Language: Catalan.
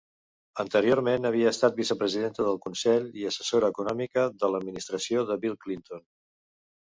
Anteriorment havia estat vicepresidenta del consell i assessora econòmica de l'administració de Bill Clinton.